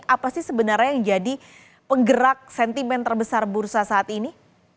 apa sih sebenarnya yang jadi penggerak sentimen terbesar bursa saat ini